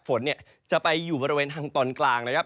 ฝนเนี่ยจะไปอยู่บริเวณทางตอนกลางนะครับ